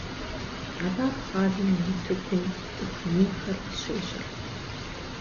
Абы Абхъазым и утыкум цӏыху минхэр къыщежьэрт.